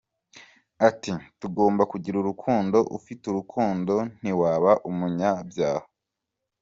Ati :”Tugomba kugira urukundo, ufite urukundo ntiwaba umunyabyaha ”.